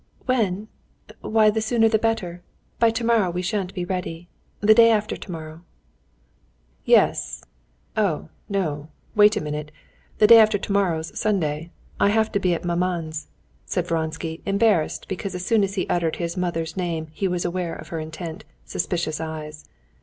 "When? Why, the sooner the better! By tomorrow we shan't be ready. The day after tomorrow." "Yes ... oh, no, wait a minute! The day after tomorrow's Sunday, I have to be at maman's," said Vronsky, embarrassed, because as soon as he uttered his mother's name he was aware of her intent, suspicious eyes.